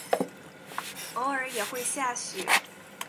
偶尔也会下雪。